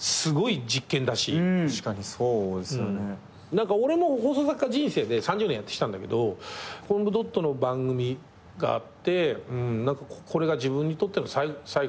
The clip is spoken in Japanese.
何か俺も放送作家人生で３０年やってきたんだけどコムドットの番組があってこれが自分にとっての最後かなって。